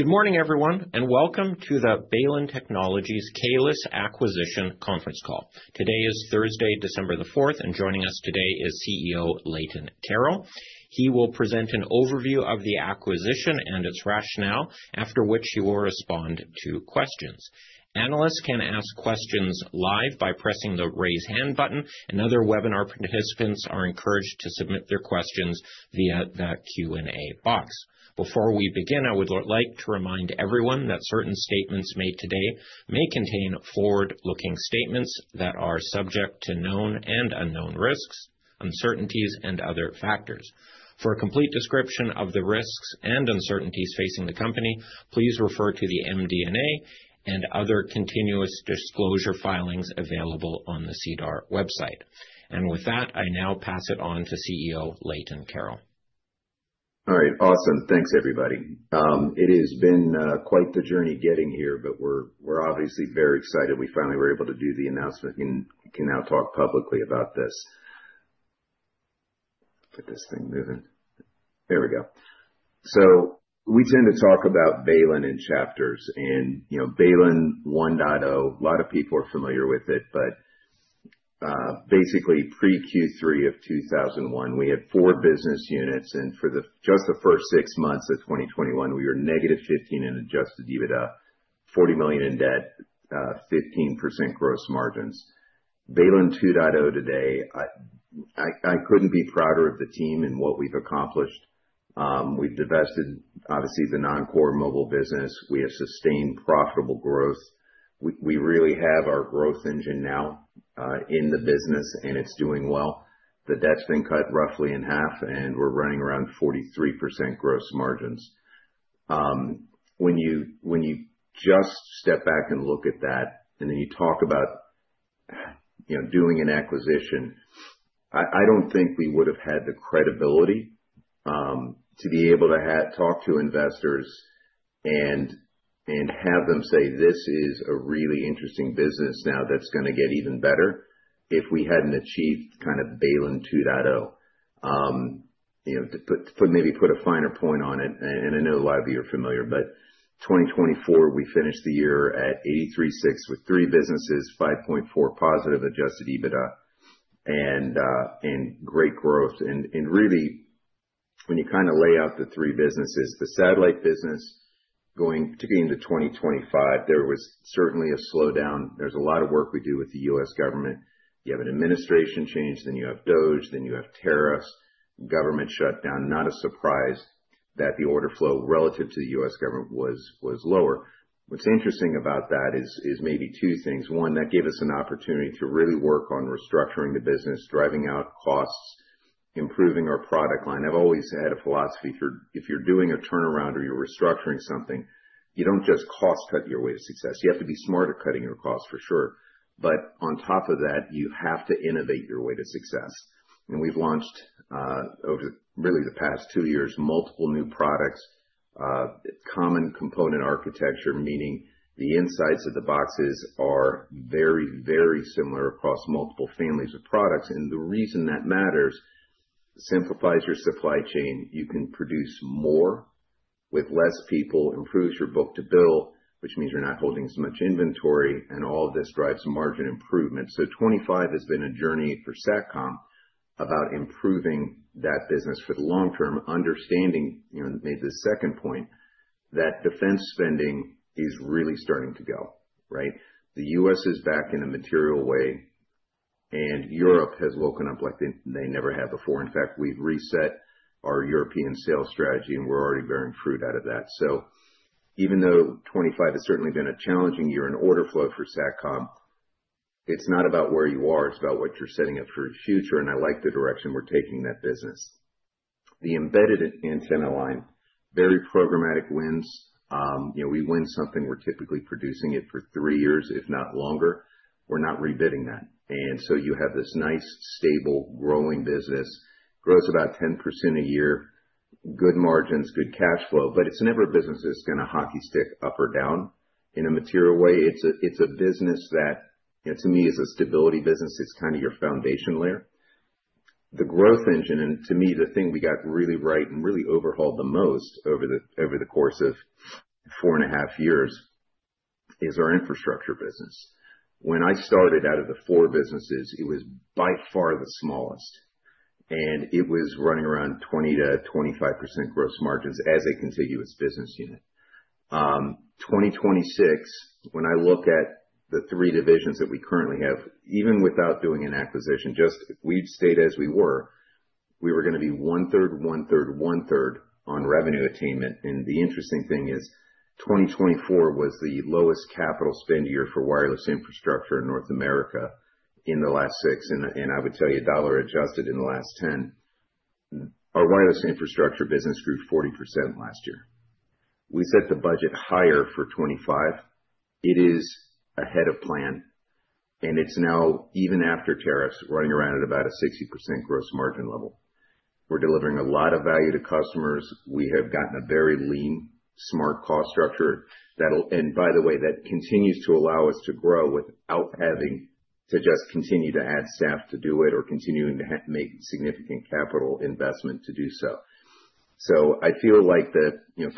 Good morning, everyone, and welcome to the Baylin Technologies' Kaelus Acquisition Conference Call. Today is Thursday, December the 4th, and joining us today is CEO Leighton Carroll. He will present an overview of the acquisition and its rationale, after which he will respond to questions. Analysts can ask questions live by pressing the raise hand button, and other webinar participants are encouraged to submit their questions via the Q&A box. Before we begin, I would like to remind everyone that certain statements made today may contain forward-looking statements that are subject to known and unknown risks, uncertainties, and other factors. For a complete description of the risks and uncertainties facing the company, please refer to the MD&A and other continuous disclosure filings available on the SEDAR website. And with that, I now pass it on to CEO Leighton Carroll. All right, awesome. Thanks, everybody. It has been quite the journey getting here, but we're obviously very excited we finally were able to do the announcement. We can now talk publicly about this. Get this thing moving. There we go. We tend to talk about Baylin in chapters, and Baylin 1.0, a lot of people are familiar with it, but basically pre-Q3 of 2021, we had four business units, and for just the first six months of 2021, we were negative 15 million in adjusted EBITDA, 40 million in debt, 15% gross margins. Baylin 2.0 today, I couldn't be prouder of the team and what we've accomplished. We've divested, obviously, the non-core mobile business. We have sustained profitable growth. We really have our growth engine now in the business, and it's doing well. The debt's been cut roughly in half, and we're running around 43% gross margins. When you just step back and look at that, and then you talk about doing an acquisition, I don't think we would have had the credibility to be able to talk to investors and have them say, "This is a really interesting business now that's going to get even better," if we hadn't achieved kind of Baylin 2.0. To maybe put a finer point on it, and I know a lot of you are familiar, but 2024, we finished the year at 83.6 with three businesses, 5.4 positive adjusted EBITDA, and great growth. And really, when you kind of lay out the three businesses, the satellite business going particularly into 2025, there was certainly a slowdown. There's a lot of work we do with the U.S. government. You have an administration change, then you have DOGE, then you have tariffs, government shutdown. Not a surprise that the order flow relative to the U.S. government was lower. What's interesting about that is maybe two things. One, that gave us an opportunity to really work on restructuring the business, driving out costs, improving our product line. I've always had a philosophy if you're doing a turnaround or you're restructuring something, you don't just cost-cut your way to success. You have to be smarter cutting your costs, for sure. But on top of that, you have to innovate your way to success. And we've launched over really the past two years multiple new products, common component architecture, meaning the insides of the boxes are very, very similar across multiple families of products. And the reason that matters simplifies your supply chain. You can produce more with less people, improves your book-to-bill, which means you're not holding as much inventory, and all of this drives margin improvement. So 2025 has been a journey for SATCOM about improving that business for the long term, understanding maybe the second point that defense spending is really starting to go, right? The U.S. is back in a material way, and Europe has woken up like they never have before. In fact, we've reset our European sales strategy, and we're already bearing fruit out of that. So even though 2025 has certainly been a challenging year in order flow for SATCOM, it's not about where you are. It's about what you're setting up for the future. And I like the direction we're taking that business. The embedded antenna line, very programmatic wins. We win something. We're typically producing it for three years, if not longer. We're not rebidding that, and so you have this nice, stable, growing business. Grows about 10% a year, good margins, good cash flow, but it's never a business that's going to hockey stick up or down in a material way. It's a business that, to me, is a stability business. It's kind of your foundation layer. The growth engine, and to me, the thing we got really right and really overhauled the most over the course of four and a half years is our infrastructure business. When I started, out of the four businesses, it was by far the smallest, and it was running around 20%-25% gross margins as a contiguous business unit. 2026, when I look at the three divisions that we currently have, even without doing an acquisition, just, we've stayed as we were. We were going to be one-third, one-third, one-third on revenue attainment. The interesting thing is 2024 was the lowest capital spend year for wireless infrastructure in North America in the last six. I would tell you dollar adjusted in the last 10, our wireless infrastructure business grew 40% last year. We set the budget higher for 2025. It is ahead of plan, and it's now, even after tariffs, running around at about a 60% gross margin level. We're delivering a lot of value to customers. We have gotten a very lean, smart cost structure that'll, and by the way, that continues to allow us to grow without having to just continue to add staff to do it or continue to make significant capital investment to do so. So I feel like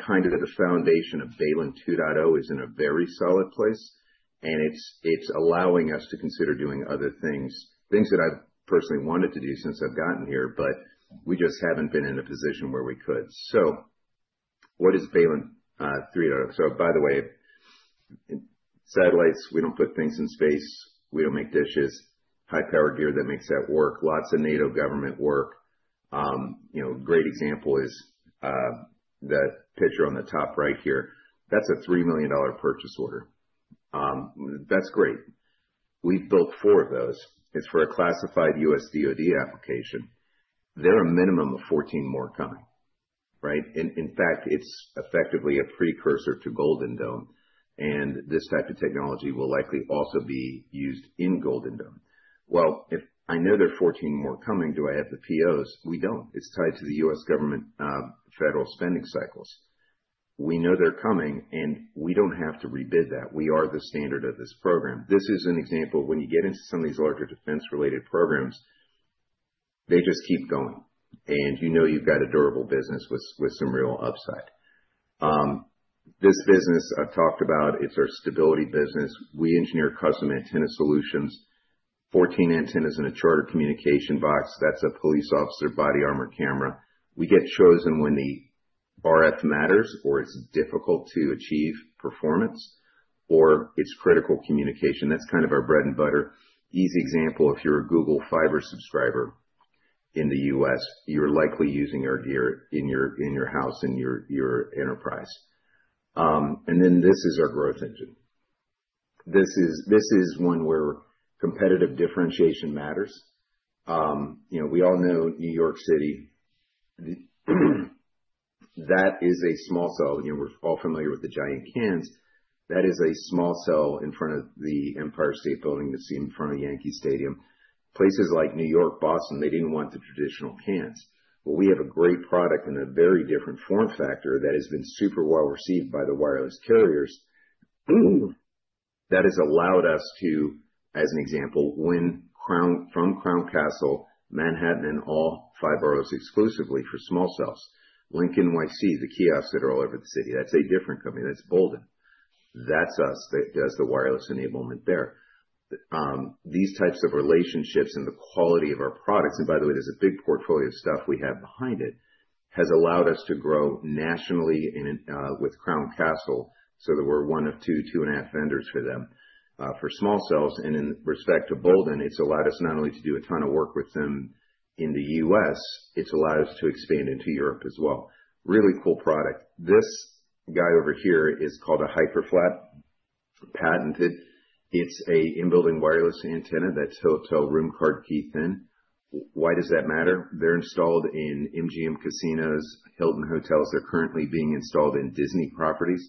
kind of the foundation of Baylin 2.0 is in a very solid place, and it's allowing us to consider doing other things, things that I've personally wanted to do since I've gotten here, but we just haven't been in a position where we could. So what is Baylin 3.0? So by the way, satellites, we don't put things in space. We don't make dishes, high-powered gear that makes that work, lots of NATO government work. Great example is the picture on the top right here. That's a $3 million purchase order. That's great. We've built four of those. It's for a classified U.S. DOD application. There are a minimum of 14 more coming, right? In fact, it's effectively a precursor to Golden Dome, and this type of technology will likely also be used in Golden Dome. If I know there are 14 more coming, do I have the POs? We don't. It's tied to the U.S. government federal spending cycles. We know they're coming, and we don't have to rebid that. We are the standard of this program. This is an example when you get into some of these larger defense-related programs, they just keep going, and you know you've got a durable business with some real upside. This business I've talked about, it's our stability business. We engineer custom antenna solutions, 14 antennas in a Charter Communications box. That's a police officer body armor camera. We get chosen when the RF matters or it's difficult to achieve performance or it's critical communication. That's kind of our bread and butter. Easy example, if you're a Google Fiber subscriber in the U.S., you're likely using our gear in your house, in your enterprise. And then this is our growth engine. This is one where competitive differentiation matters. We all know New York City. That is a small cell. We're all familiar with the giant cans. That is a small cell in front of the Empire State Building you see in front of Yankee Stadium. Places like New York, Boston, they didn't want the traditional cans. Well, we have a great product in a very different form factor that has been super well received by the wireless carriers that has allowed us to, as an example, win from Crown Castle, Manhattan, and all five boroughs exclusively for small cells. LinkNYC, the kiosks that are all over the city. That's a different company. That's Boldyn. That's us that does the wireless enablement there. These types of relationships and the quality of our products, and by the way, there's a big portfolio of stuff we have behind it, has allowed us to grow nationally with Crown Castle so that we're one of two, two and a half vendors for them for small cells. In respect to Boldyn, it's allowed us not only to do a ton of work with them in the U.S., it's allowed us to expand into Europe as well. Really cool product. This guy over here is called a HyperFlat, patented. It's an in-building wireless antenna that's hotel room card key thin. Why does that matter? They're installed in MGM casinos, Hilton hotels. They're currently being installed in Disney properties.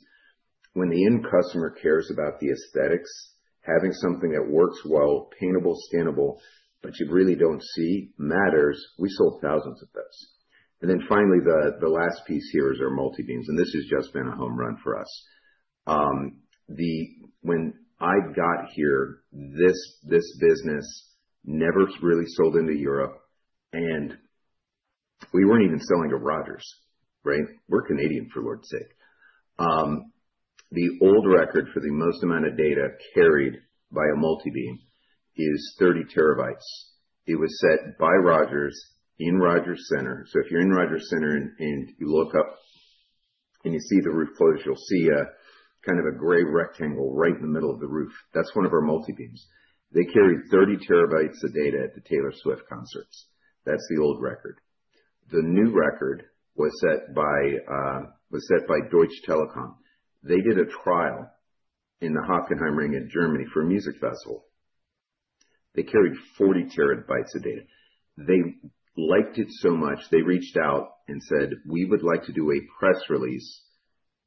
When the end customer cares about the aesthetics, having something that works while paintable, stainable, but you really don't see matters. We sold thousands of those. Then finally, the last piece here is our multibeams, and this has just been a home run for us. When I got here, this business never really sold into Europe, and we weren't even selling to Rogers, right? We're Canadian, for Lord's sake. The old record for the most amount of data carried by a multibeam is 30 TB. It was set by Rogers in Rogers Centre. So if you're in Rogers Centre and you look up and you see the roof closed, you'll see kind of a gray rectangle right in the middle of the roof. That's one of our multibeams. They carried 30 TB of data at the Taylor Swift concerts. That's the old record. The new record was set by Deutsche Telekom. They did a trial in the Hockenheimring in Germany for a music festival. They carried 40 TB of data. They liked it so much, they reached out and said, "We would like to do a press release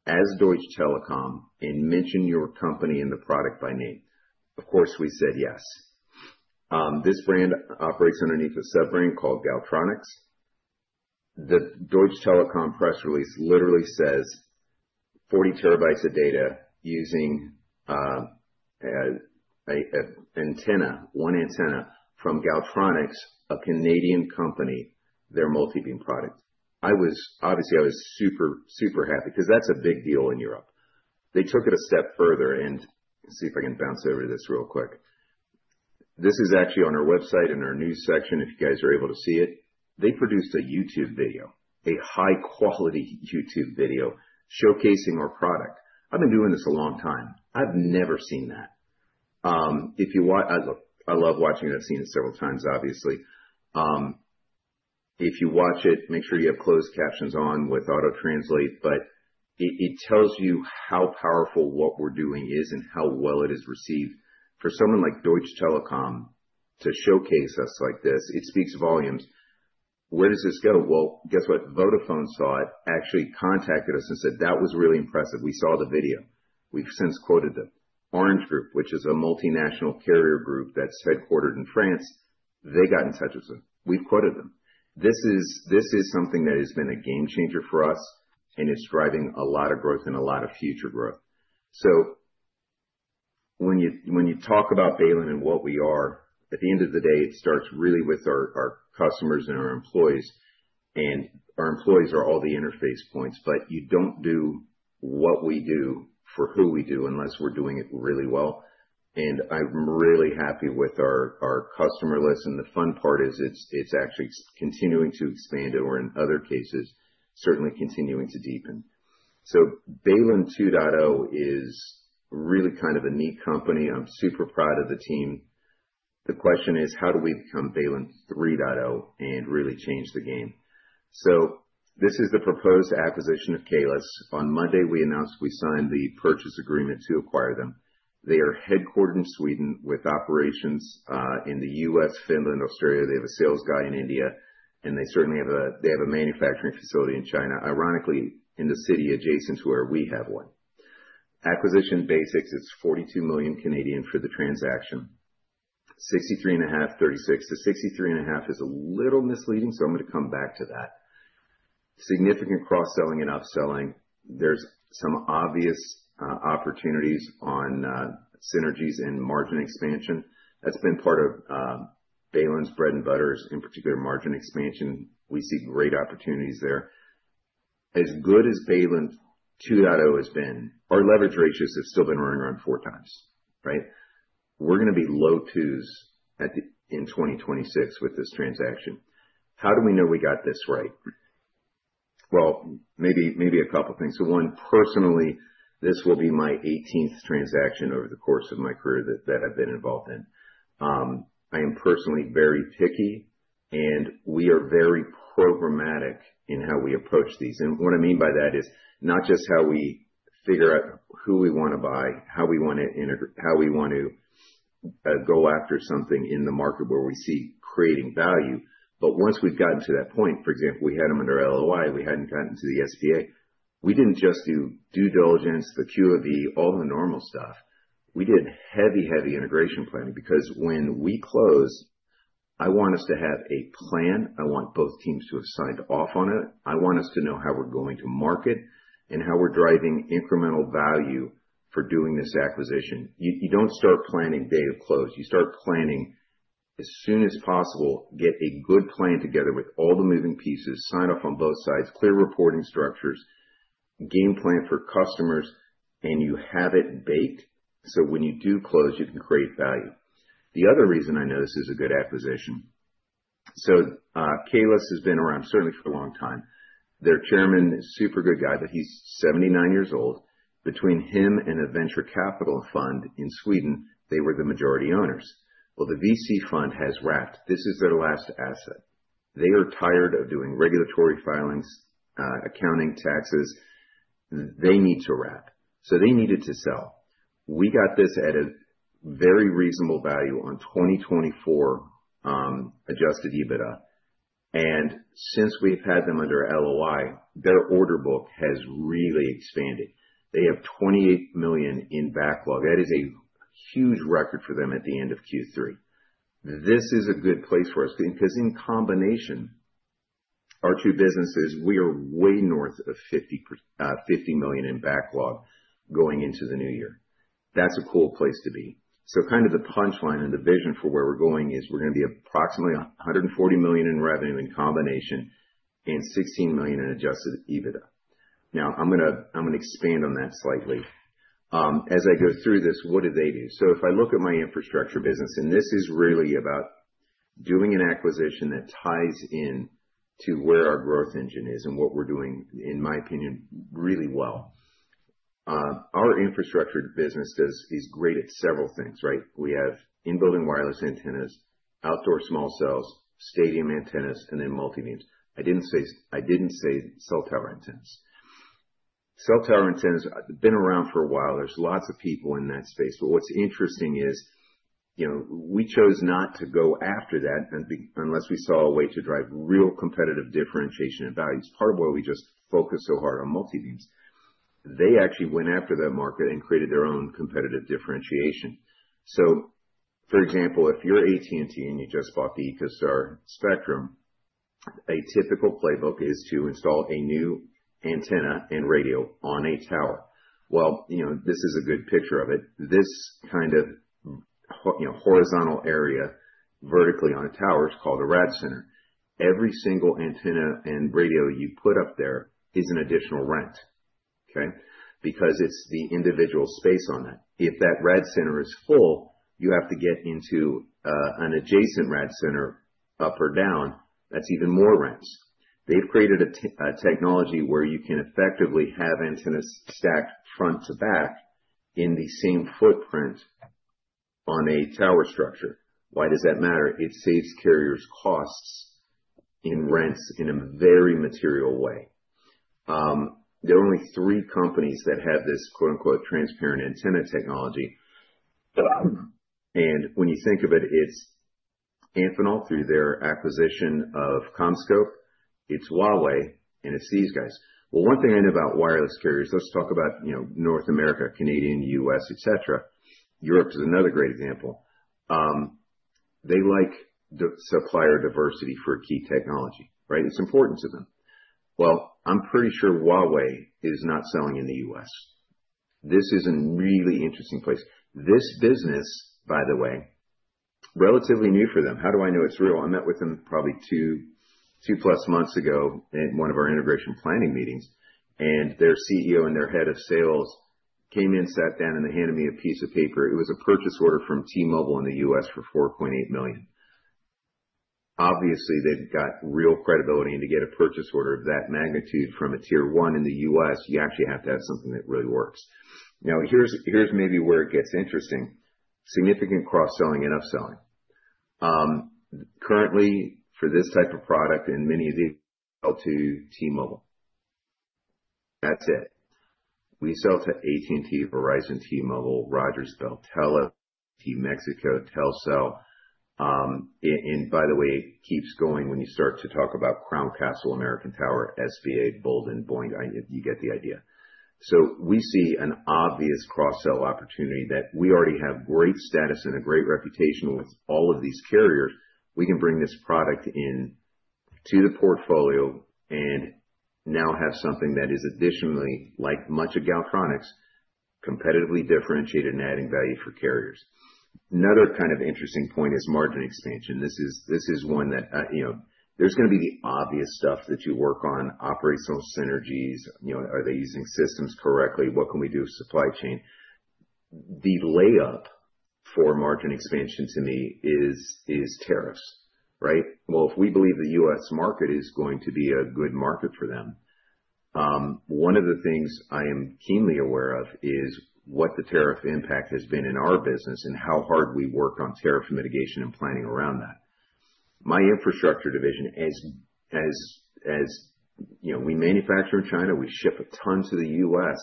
as Deutsche Telekom and mention your company and the product by name." Of course, we said yes. This brand operates underneath a sub-brand called Galtronics. The Deutsche Telekom press release literally says 40 TB of data using one antenna from Galtronics, a Canadian company, their multibeam product. Obviously, I was super, super happy because that's a big deal in Europe. They took it a step further, and let's see if I can bounce over this real quick. This is actually on our website in our news section if you guys are able to see it. They produced a YouTube video, a high-quality YouTube video showcasing our product. I've been doing this a long time. I've never seen that. I love watching it. I've seen it several times, obviously. If you watch it, make sure you have closed captions on with auto translate, but it tells you how powerful what we're doing is and how well it is received. For someone like Deutsche Telekom to showcase us like this, it speaks volumes. Where does this go? Well, guess what? Vodafone saw it, actually contacted us and said, "That was really impressive. We saw the video." We've since quoted them. Orange Group, which is a multinational carrier group that's headquartered in France, they got in touch with us. We've quoted them. This is something that has been a game changer for us, and it's driving a lot of growth and a lot of future growth. So when you talk about Baylin and what we are, at the end of the day, it starts really with our customers and our employees. And our employees are all the interface points, but you don't do what we do for who we do unless we're doing it really well. And I'm really happy with our customer list. And the fun part is it's actually continuing to expand over in other cases, certainly continuing to deepen. So Baylin 2.0 is really kind of a neat company. I'm super proud of the team. The question is, how do we become Baylin 3.0 and really change the game? So this is the proposed acquisition of Kaelus. On Monday, we announced we signed the purchase agreement to acquire them. They are headquartered in Sweden with operations in the U.S., Finland, Australia. They have a sales guy in India, and they certainly have a manufacturing facility in China, ironically, in the city adjacent to where we have one. Acquisition basics, it's 42 million for the transaction. 63.5, 36. The 63.5 is a little misleading, so I'm going to come back to that. Significant cross-selling and upselling. There's some obvious opportunities on synergies and margin expansion. That's been part of Baylin's bread and butters, in particular margin expansion. We see great opportunities there. As good as Baylin 2.0 has been, our leverage ratios have still been running around four times, right? We're going to be low twos in 2026 with this transaction. How do we know we got this right? Well, maybe a couple of things. So one, personally, this will be my 18th transaction over the course of my career that I've been involved in. I am personally very picky, and we are very programmatic in how we approach these. What I mean by that is not just how we figure out who we want to buy, how we want to go after something in the market where we see creating value, but once we've gotten to that point, for example, we had them under LOI. We hadn't gotten to the SPA. We didn't just do due diligence, the QofE, all the normal stuff. We did heavy, heavy integration planning because when we close, I want us to have a plan. I want both teams to have signed off on it. I want us to know how we're going to market and how we're driving incremental value for doing this acquisition. You don't start planning day of close. You start planning as soon as possible, get a good plan together with all the moving pieces, sign off on both sides, clear reporting structures, game plan for customers, and you have it baked so when you do close, you can create value. The other reason I know this is a good acquisition. Kaelus has been around certainly for a long time. Their chairman is a super good guy, but he's 79 years old. Between him and a venture capital fund in Sweden, they were the majority owners. Well, the VC fund has wrapped. This is their last asset. They are tired of doing regulatory filings, accounting, taxes. They need to wrap. They needed to sell. We got this at a very reasonable value on 2024 adjusted EBITDA. And since we've had them under LOI, their order book has really expanded. They have 28 million in backlog. That is a huge record for them at the end of Q3. This is a good place for us because in combination, our two businesses, we are way north of 50 million in backlog going into the new year. That's a cool place to be. So kind of the punchline and the vision for where we're going is we're going to be approximately 140 million in revenue in combination and 16 million in adjusted EBITDA. Now, I'm going to expand on that slightly. As I go through this, what do they do? So if I look at my infrastructure business, and this is really about doing an acquisition that ties into where our growth engine is and what we're doing, in my opinion, really well. Our infrastructure business is great at several things, right? We have in-building wireless antennas, outdoor small cells, stadium antennas, and then multibeams. I didn't say cell tower antennas. Cell tower antennas have been around for a while. There's lots of people in that space. But what's interesting is we chose not to go after that unless we saw a way to drive real competitive differentiation and values. Part of why we just focused so hard on multibeams. They actually went after that market and created their own competitive differentiation. So, for example, if you're AT&T and you just bought the EchoStar Spectrum, a typical playbook is to install a new antenna and radio on a tower. Well, this is a good picture of it. This kind of horizontal area vertically on a tower is called a rad center. Every single antenna and radio you put up there is an additional rent, okay? Because it's the individual space on that. If that rad center is full, you have to get into an adjacent rad center up or down. That's even more rents. They've created a technology where you can effectively have antennas stacked front to back in the same footprint on a tower structure. Why does that matter? It saves carriers costs in rents in a very material way. There are only three companies that have this "transparent antenna technology." And when you think of it, it's Amphenol through their acquisition of CommScope, it's Huawei, and it's these guys. Well, one thing I know about wireless carriers, let's talk about North America, Canadian, U.S., etc. Europe is another great example. They like supplier diversity for key technology, right? It's important to them. Well, I'm pretty sure Huawei is not selling in the U.S. This is a really interesting place. This business, by the way, relatively new for them. How do I know it's real? I met with them probably two plus months ago at one of our integration planning meetings, and their CEO and their head of sales came in, sat down, and they handed me a piece of paper. It was a purchase order from T-Mobile in the U.S. for $4.8 million. Obviously, they've got real credibility. To get a purchase order of that magnitude from a tier one in the U.S., you actually have to have something that really works. Now, here's maybe where it gets interesting. Significant cross-selling and upselling. Currently, for this type of product and many of these, sell to T-Mobile. That's it. We sell to AT&T, Verizon, T-Mobile, Rogers, Bell, Telus, [T-Mexico], Telcel. By the way, it keeps going when you start to talk about Crown Castle, American Tower, SBA, Boldyn, Boingo. You get the idea. So we see an obvious cross-sell opportunity that we already have great status and a great reputation with all of these carriers. We can bring this product into the portfolio and now have something that is additionally, like much of Galtronics, competitively differentiated and adding value for carriers. Another kind of interesting point is margin expansion. This is one that there's going to be the obvious stuff that you work on, operational synergies. Are they using systems correctly? What can we do with supply chain? The layup for margin expansion to me is tariffs, right? Well, if we believe the U.S. market is going to be a good market for them, one of the things I am keenly aware of is what the tariff impact has been in our business and how hard we work on tariff mitigation and planning around that. My infrastructure division, as we manufacture in China, we ship a ton to the U.S.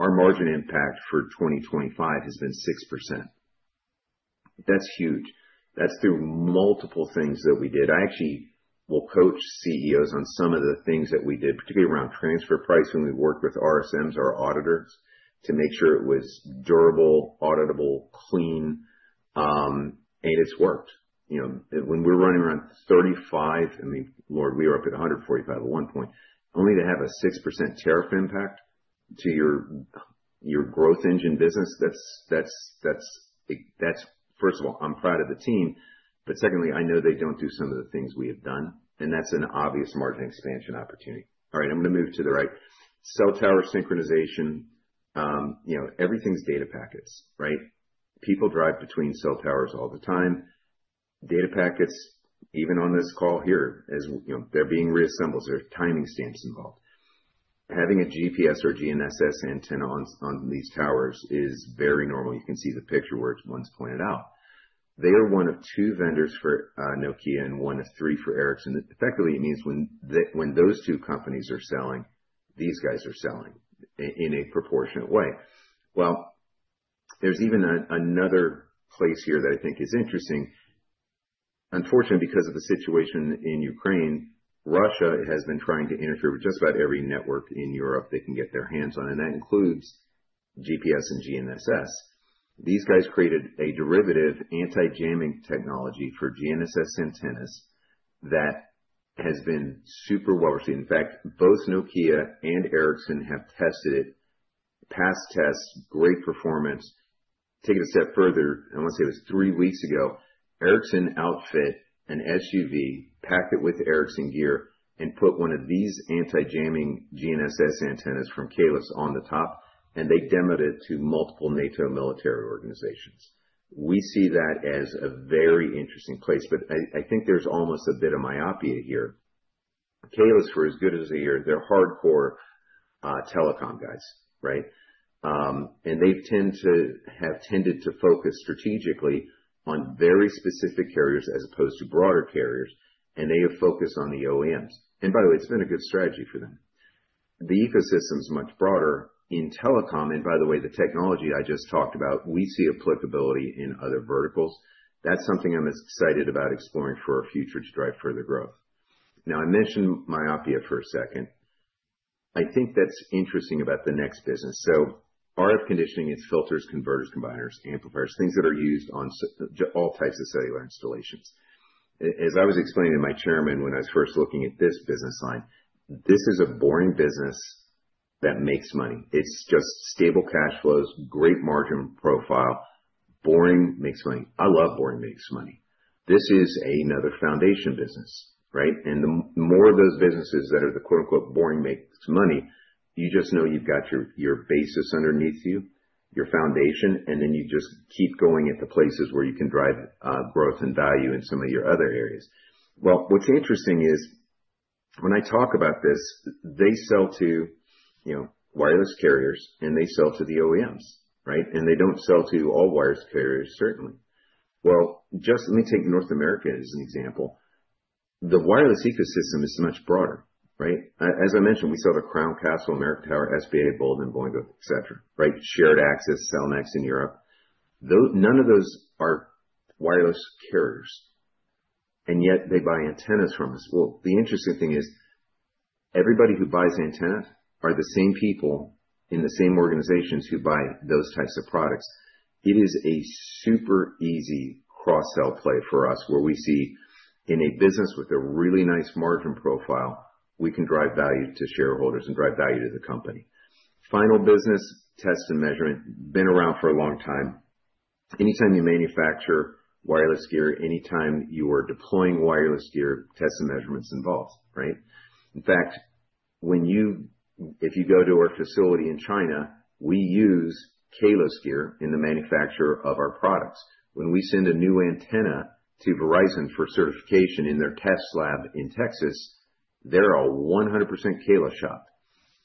Our margin impact for 2025 has been 6%. That's huge. That's through multiple things that we did. I actually will coach CEOs on some of the things that we did, particularly around transfer pricing. We worked with RSMs, our auditors, to make sure it was durable, auditable, clean, and it's worked. When we're running around 35, I mean, Lord, we were up at 145 at one point. Only to have a 6% tariff impact to your growth engine business, that's, first of all, I'm proud of the team, but secondly, I know they don't do some of the things we have done, and that's an obvious margin expansion opportunity. All right, I'm going to move to the right. Cell tower synchronization. Everything's data packets, right? People drive between cell towers all the time. Data packets, even on this call here, they're being reassembled. There are timing stamps involved. Having a GPS or GNSS antenna on these towers is very normal. You can see the picture where it's once pointed out. They are one of two vendors for Nokia and one of three for Ericsson. Effectively, it means when those two companies are selling, these guys are selling in a proportionate way. Well, there's even another place here that I think is interesting. Unfortunately, because of the situation in Ukraine, Russia has been trying to interfere with just about every network in Europe they can get their hands on, and that includes GPS and GNSS. These guys created a derivative anti-jamming technology for GNSS antennas that has been super well received. In fact, both Nokia and Ericsson have tested it. Passed tests, great performance. Take it a step further. I want to say it was three weeks ago. Ericsson outfitted an SUV, packed it with Ericsson gear, and put one of these anti-jamming GNSS antennas from Kaelus on the top, and they demoed it to multiple NATO military organizations. We see that as a very interesting place, but I think there's almost a bit of myopia here. Kaelus, for as good as they are, they're hardcore telecom guys, right? And they tend to have tended to focus strategically on very specific carriers as opposed to broader carriers, and they have focused on the OEMs. And by the way, it's been a good strategy for them. The ecosystem is much broader in telecom, and by the way, the technology I just talked about, we see applicability in other verticals. That's something I'm excited about exploring for our future to drive further growth. Now, I mentioned myopia for a second. I think that's interesting about the next business. So RF conditioning, it's filters, converters, combiners, amplifiers, things that are used on all types of cellular installations. As I was explaining to my chairman when I was first looking at this business line, this is a boring business that makes money. It's just stable cash flows, great margin profile. Boring makes money. I love boring makes money. This is another foundation business, right? And the more of those businesses that are the "boring makes money," you just know you've got your basis underneath you, your foundation, and then you just keep going at the places where you can drive growth and value in some of your other areas. Well, what's interesting is when I talk about this, they sell to wireless carriers, and they sell to the OEMs, right? And they don't sell to all wireless carriers, certainly. Just let me take North America as an example. The wireless ecosystem is much broader, right? As I mentioned, we sell to Crown Castle, American Tower, SBA, Boldyn, Boingo, etc., right? Shared Access, Cellnex in Europe. None of those are wireless carriers, and yet they buy antennas from us. The interesting thing is everybody who buys antennas are the same people in the same organizations who buy those types of products. It is a super easy cross-sell play for us where we see in a business with a really nice margin profile, we can drive value to shareholders and drive value to the company. Final business, test and measurement, been around for a long time. Anytime you manufacture wireless gear, anytime you are deploying wireless gear, test and measurements involved, right? In fact, if you go to our facility in China, we use Kaelus gear in the manufacture of our products. When we send a new antenna to Verizon for certification in their test lab in Texas, they're a 100% Kaelus shop.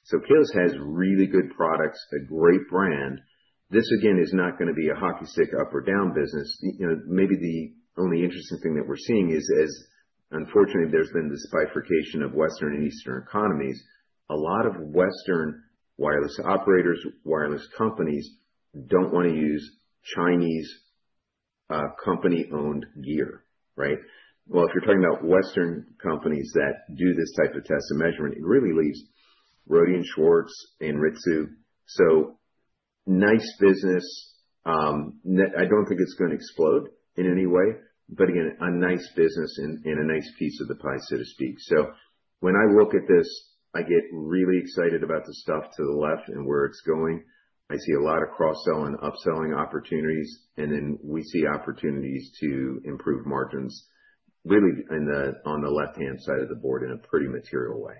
So Kaelus has really good products, a great brand. This, again, is not going to be a hockey stick up or down business. Maybe the only interesting thing that we're seeing is, unfortunately, there's been this bifurcation of Western and Eastern economies. A lot of Western wireless operators, wireless companies don't want to use Chinese company-owned gear, right? Well, if you're talking about Western companies that do this type of test and measurement, it really leaves Rohde & Schwarz and Anritsu. So nice business. I don't think it's going to explode in any way, but again, a nice business and a nice piece of the pie, so to speak. So when I look at this, I get really excited about the stuff to the left and where it's going. I see a lot of cross-sell and upselling opportunities, and then we see opportunities to improve margins, really on the left-hand side of the board in a pretty material way.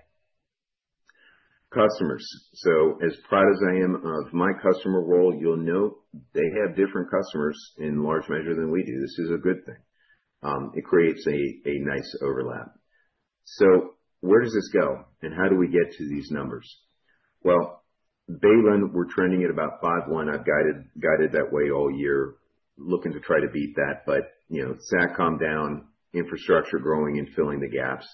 Customers. So as proud as I am of my customer role, you'll note they have different customers in large measure than we do. This is a good thing. It creates a nice overlap. So where does this go and how do we get to these numbers? Well, Baylin, we're trending at about 5.1. I've guided that way all year, looking to try to beat that, but SAC calmed down, infrastructure growing and filling the gaps.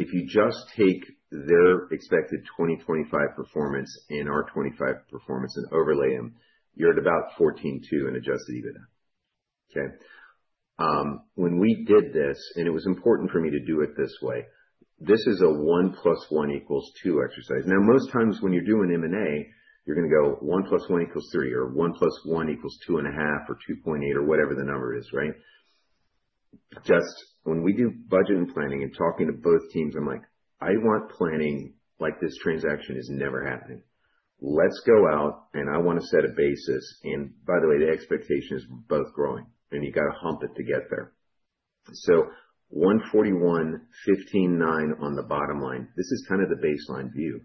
If you just take their expected 2025 performance and our 2025 performance and overlay them, you're at about 14.2 and adjusted EBITDA, okay? When we did this, and it was important for me to do it this way, this is a one plus one equals two exercise. Now, most times when you're doing M&A, you're going to go one plus one equals three or one plus one equals 2.5 or 2.8 or whatever the number is, right? Just when we do budget and planning and talking to both teams, I'm like, "I want planning like this transaction is never happening. Let's go out and I want to set a basis." And by the way, the expectation is both growing and you got to hump it to get there. So 141, 15.9 on the bottom line. This is kind of the baseline view.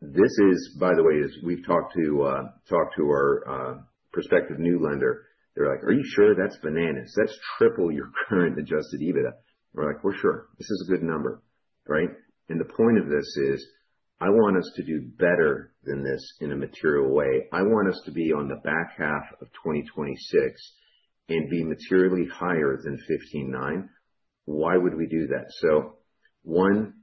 This is, by the way, as we've talked to our prospective new lender, they're like, "Are you sure that's bananas? That's triple your current adjusted EBITDA." We're like, "We're sure. This is a good number," right? And the point of this is I want us to do better than this in a material way. I want us to be on the back half of 2026 and be materially higher than 15.9. Why would we do that? So one,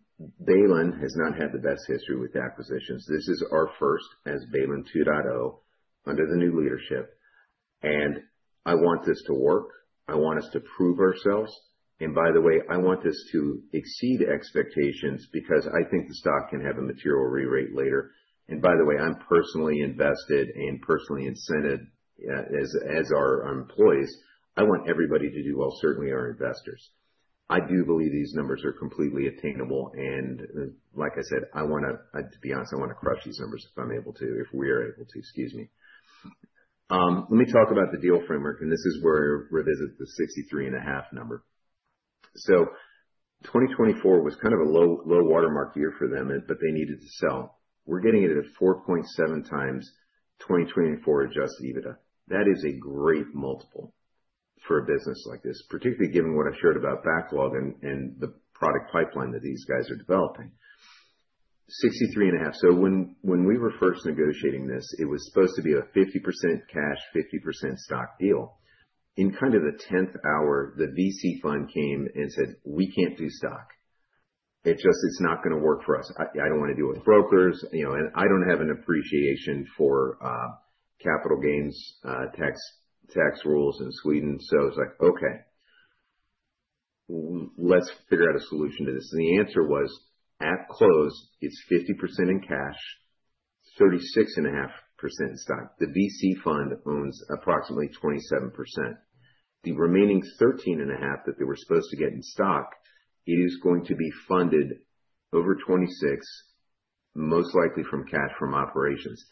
Baylin has not had the best history with acquisitions. This is our first as Baylin 2.0 under the new leadership, and I want this to work. I want us to prove ourselves. And by the way, I want this to exceed expectations because I think the stock can have a material rerate later. And by the way, I'm personally invested and personally incented as our employees. I want everybody to do well, certainly our investors. I do believe these numbers are completely attainable. Like I said, to be honest, I want to crush these numbers if I'm able to, if we are able to, excuse me. Let me talk about the deal framework, and this is where we revisit the 63.5 number. 2024 was kind of a low watermark year for them, but they needed to sell. We're getting it at 4.7 times 2024 adjusted EBITDA. That is a great multiple for a business like this, particularly given what I've shared about backlog and the product pipeline that these guys are developing. 63.5. When we were first negotiating this, it was supposed to be a 50% cash, 50% stock deal. In kind of the 10th hour, the VC fund came and said, "We can't do stock. It's not going to work for us. I don't want to deal with brokers," and I don't have an appreciation for capital gains tax rules in Sweden. So it was like, "Okay. Let's figure out a solution to this." And the answer was, at close, it's 50% in cash, 36.5% in stock. The VC fund owns approximately 27%. The remaining 13.5% that they were supposed to get in stock, it is going to be funded over 26, most likely from cash from operations.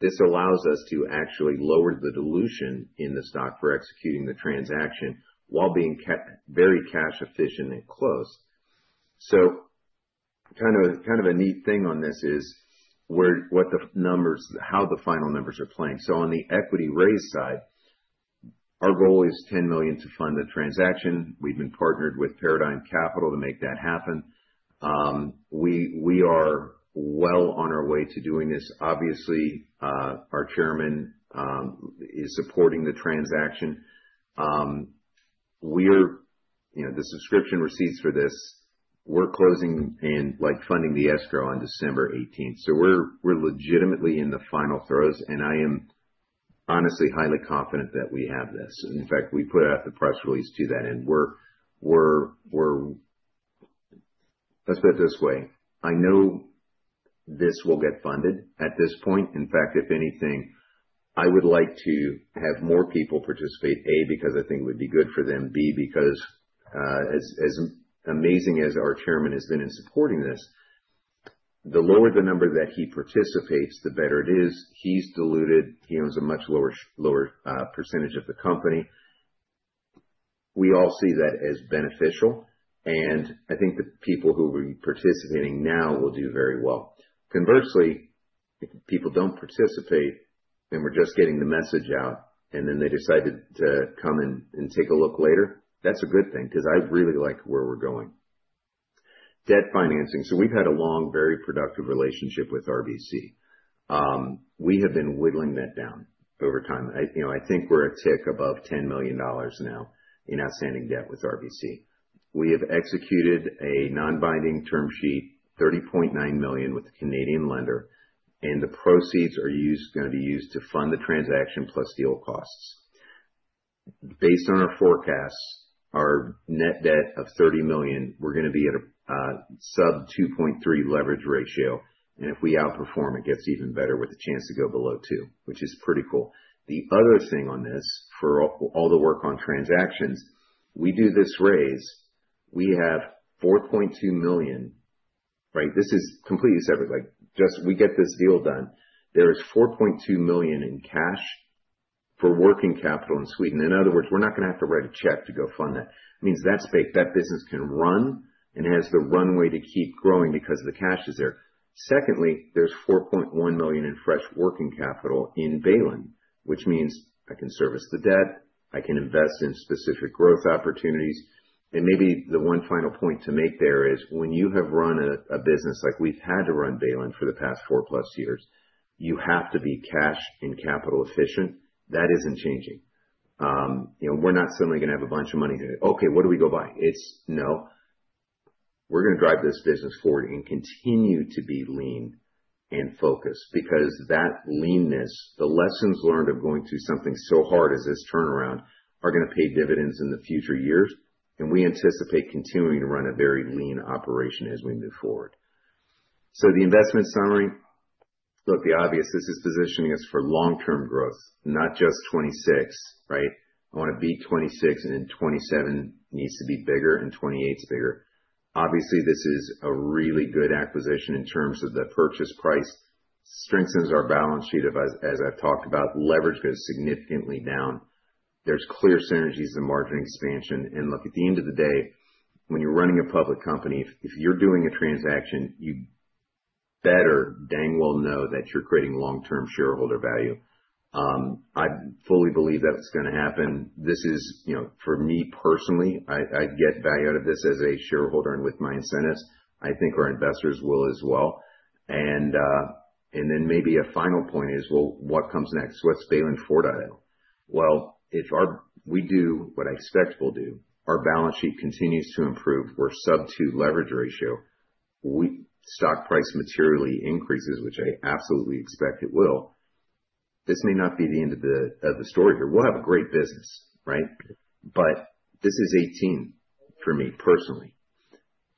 This allows us to actually lower the dilution in the stock for executing the transaction while being very cash efficient and close. So kind of a neat thing on this is how the final numbers are playing. So on the equity raise side, our goal is 10 million to fund the transaction. We've been partnered with Paradigm Capital to make that happen. We are well on our way to doing this. Obviously, our chairman is supporting the transaction. The subscription receipts for this, we're closing and funding the escrow on December 18th. So we're legitimately in the final throes, and I am honestly highly confident that we have this. In fact, we put out the press release to that end. Let's put it this way. I know this will get funded at this point. In fact, if anything, I would like to have more people participate, A, because I think it would be good for them, B, because as amazing as our chairman has been in supporting this, the lower the number that he participates, the better it is. He's diluted. He owns a much lower percentage of the company. We all see that as beneficial, and I think the people who will be participating now will do very well. Conversely, if people don't participate and we're just getting the message out and then they decided to come and take a look later, that's a good thing because I really like where we're going. Debt financing. So we've had a long, very productive relationship with RBC. We have been whittling that down over time. I think we're a tick above 10 million dollars now in outstanding debt with RBC. We have executed a non-binding term sheet, 30.9 million with the Canadian lender, and the proceeds are going to be used to fund the transaction plus deal costs. Based on our forecasts, our net debt of 30 million, we're going to be at a sub-2.3 leverage ratio, and if we outperform, it gets even better with a chance to go below 2, which is pretty cool. The other thing on this for all the work on transactions, we do this raise. We have 4.2 million, right? This is completely separate. We get this deal done. There is 4.2 million in cash for working capital in Sweden. In other words, we're not going to have to write a check to go fund that. It means that business can run and has the runway to keep growing because the cash is there. Secondly, there's 4.1 million in fresh working capital in Baylin, which means I can service the debt. I can invest in specific growth opportunities, and maybe the one final point to make there is when you have run a business like we've had to run Baylin for the past four plus years, you have to be cash and capital efficient. That isn't changing. We're not suddenly going to have a bunch of money here. Okay, what do we go buy? It's no. We're going to drive this business forward and continue to be lean and focused because that leanness, the lessons learned of going through something so hard as this turnaround are going to pay dividends in the future years, and we anticipate continuing to run a very lean operation as we move forward. The investment summary, look, the obvious, this is positioning us for long-term growth, not just 2026, right? I want to beat 2026, and 2027 needs to be bigger, and 2028's bigger. Obviously, this is a really good acquisition in terms of the purchase price. It strengthens our balance sheet, as I've talked about, leverage goes significantly down. There's clear synergies and margin expansion. And look, at the end of the day, when you're running a public company, if you're doing a transaction, you better dang well know that you're creating long-term shareholder value. I fully believe that's going to happen. This is, for me personally, I get value out of this as a shareholder and with my incentives. I think our investors will as well. And then maybe a final point is, well, what comes next? What's Baylin 4.0? Well, if we do what I expect we'll do, our balance sheet continues to improve. We're sub-2 leverage ratio. Stock price materially increases, which I absolutely expect it will. This may not be the end of the story here. We'll have a great business, right? But this is 18 for me personally.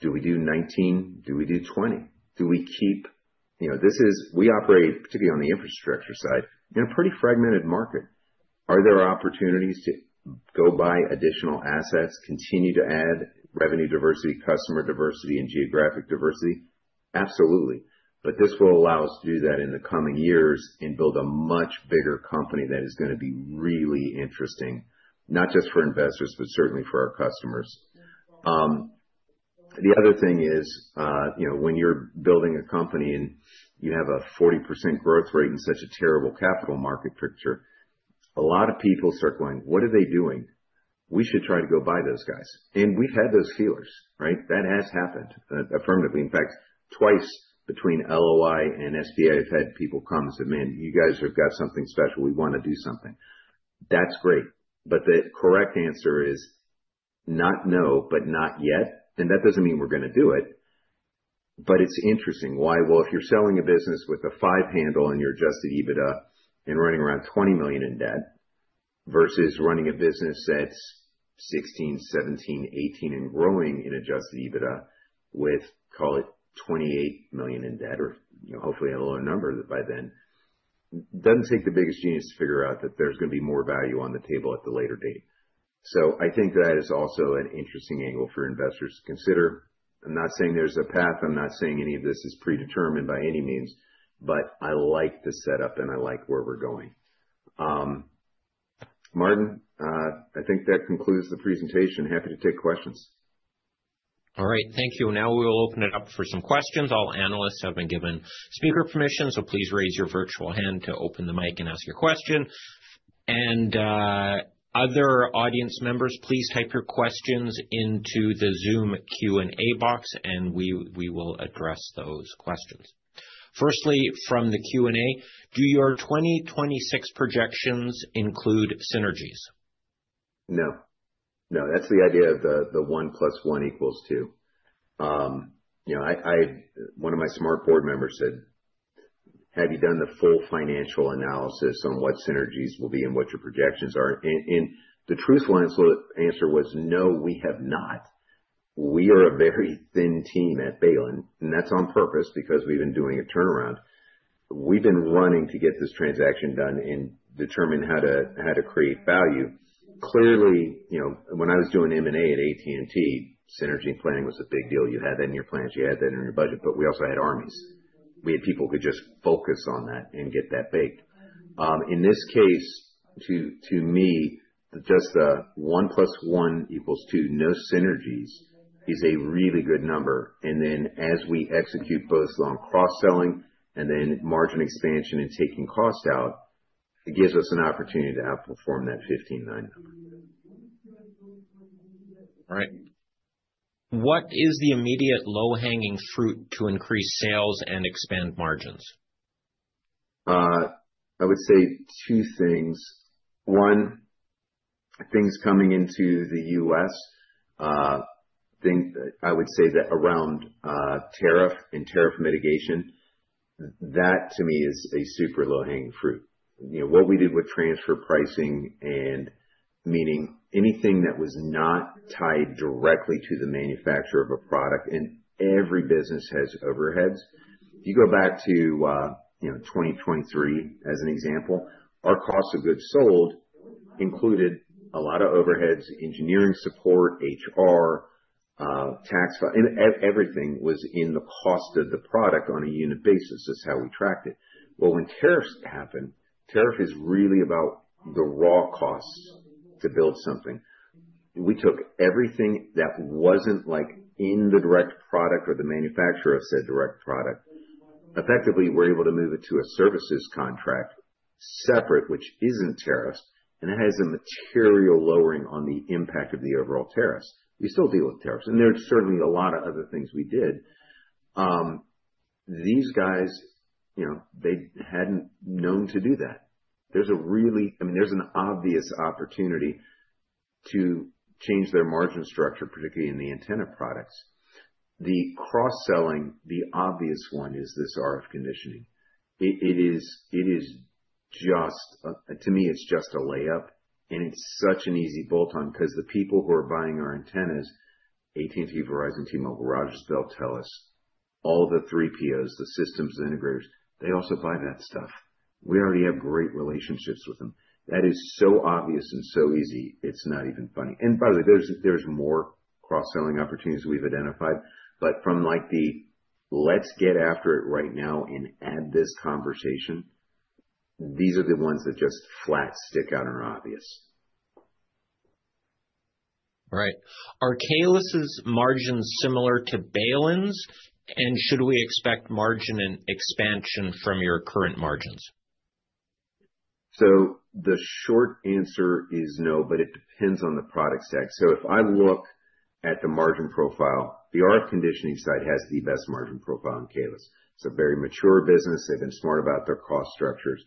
Do we do 19? Do we do 20? Do we keep? This is we operate, particularly on the infrastructure side, in a pretty fragmented market. Are there opportunities to go buy additional assets, continue to add revenue diversity, customer diversity, and geographic diversity? Absolutely. But this will allow us to do that in the coming years and build a much bigger company that is going to be really interesting, not just for investors, but certainly for our customers. The other thing is when you're building a company and you have a 40% growth rate in such a terrible capital market picture, a lot of people circling, what are they doing? We should try to go buy those guys. And we've had those feelers, right? That has happened affirmatively. In fact, twice between LOI and SBI, I've had people come and say, "Man, you guys have got something special. We want to do something." That's great. But the correct answer is not no, but not yet. And that doesn't mean we're going to do it. But it's interesting. Why? If you're selling a business with a 5 handle and your adjusted EBITDA running around 20 million in debt versus running a business that's 16, 17, 18, and growing in adjusted EBITDA with, call it, 28 million in debt or hopefully a lower number by then, it doesn't take the biggest genius to figure out that there's going to be more value on the table at the later date. So I think that is also an interesting angle for investors to consider. I'm not saying there's a path. I'm not saying any of this is predetermined by any means, but I like the setup and I like where we're going. Martin, I think that concludes the presentation. Happy to take questions. All right. Thank you. Now we will open it up for some questions. All analysts have been given speaker permission, so please raise your virtual hand to open the mic and ask your question. And other audience members, please type your questions into the Zoom Q&A box, and we will address those questions. Firstly, from the Q&A, do your 2026 projections include synergies? No. No. That's the idea of the one plus one equals two. One of my smart board members said, "Have you done the full financial analysis on what synergies will be and what your projections are?" And the truthful answer was, "No, we have not." We are a very thin team at Baylin, and that's on purpose because we've been doing a turnaround. We've been running to get this transaction done and determine how to create value. Clearly, when I was doing M&A at AT&T, synergy and planning was a big deal. You had that in your plans. You had that in your budget, but we also had armies. We had people who could just focus on that and get that baked. In this case, to me, just the one plus one equals two, no synergies, is a really good number. As we execute both long cross-selling and then margin expansion and taking cost out, it gives us an opportunity to outperform that 15.9 number. All right. What is the immediate low-hanging fruit to increase sales and expand margins? I would say two things. One, things coming into the U.S., I would say that around tariff and tariff mitigation, that to me is a super low-hanging fruit. What we did with transfer pricing, and meaning anything that was not tied directly to the manufacturer of a product, and every business has overheads. If you go back to 2023 as an example, our cost of goods sold included a lot of overheads, engineering support, HR, tax file, everything was in the cost of the product on a unit basis. That's how we tracked it. Well, when tariffs happen, tariff is really about the raw costs to build something. We took everything that wasn't in the direct product or the manufacturer of said direct product. Effectively, we're able to move it to a services contract separate, which isn't tariffs, and it has a material lowering on the impact of the overall tariffs. We still deal with tariffs, and there's certainly a lot of other things we did. These guys, they hadn't known to do that. There's a really, I mean, there's an obvious opportunity to change their margin structure, particularly in the antenna products. The cross-selling, the obvious one is this RF conditioning. It is just, to me, it's just a layup, and it's such an easy bolt-on because the people who are buying our antennas, AT&T, Verizon, T-Mobile, Rogers, they'll tell us all the 3POs, the systems, the integrators, they also buy that stuff. We already have great relationships with them. That is so obvious and so easy. It's not even funny. And by the way, there's more cross-selling opportunities we've identified, but from the, "Let's get after it right now and add this conversation," these are the ones that just flat stick out and are obvious. All right. Are Kaelus's margins similar to Baylin's, and should we expect margin expansion from your current margins? So the short answer is no, but it depends on the product stack. So if I look at the margin profile, the RF conditioning side has the best margin profile in Kaelus. It's a very mature business. They've been smart about their cost structures.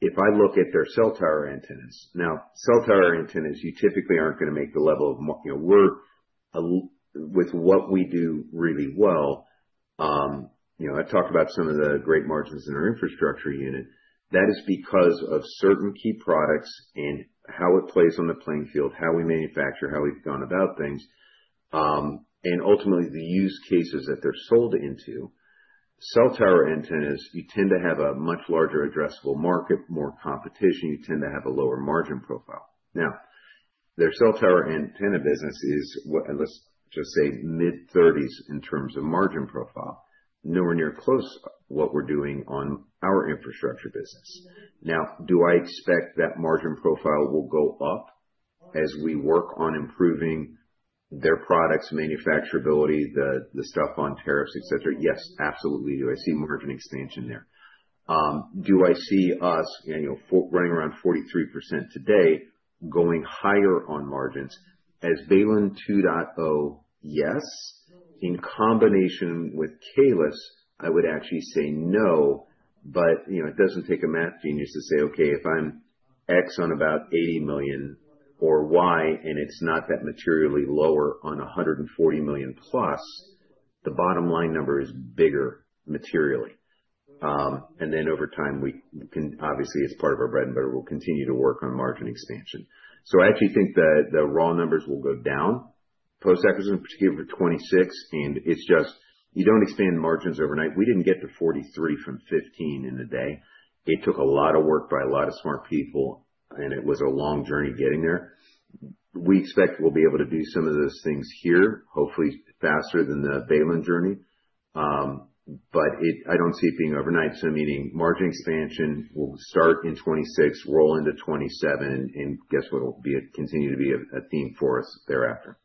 If I look at their cell tower antennas - now, cell tower antennas, you typically aren't going to make the level of - we're with what we do really well. I talked about some of the great margins in our infrastructure unit. That is because of certain key products and how it plays on the playing field, how we manufacture, how we've gone about things, and ultimately the use cases that they're sold into. Cell tower antennas, you tend to have a much larger addressable market, more competition. You tend to have a lower margin profile. Now, their cell tower antenna business is, let's just say, mid-30s% in terms of margin profile, nowhere near close to what we're doing on our infrastructure business. Now, do I expect that margin profile will go up as we work on improving their products, manufacturability, the stuff on tariffs, etc.? Yes, absolutely do. I see margin expansion there. Do I see us running around 43% today, going higher on margins? As Baylin 2.0, yes. In combination with Kaelus, I would actually say no, but it doesn't take a math genius to say, "Okay, if I'm X on about 80 million or Y and it's not that materially lower on 140 million plus, the bottom line number is bigger materially." And then over time, we can obviously, as part of our bread and butter, we'll continue to work on margin expansion. So I actually think the raw numbers will go down. Post-acquisition in particular for 2026, and it's just you don't expand margins overnight. We didn't get to 43% from 15% in a day. It took a lot of work by a lot of smart people, and it was a long journey getting there. We expect we'll be able to do some of those things here, hopefully faster than the Baylin journey, but I don't see it being overnight. So meaning margin expansion will start in 2026, roll into 2027, and guess what? It'll continue to be a theme for us thereafter.